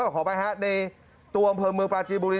ขออภัยฮะในตัวอำเภอเมืองปลาจีบุรี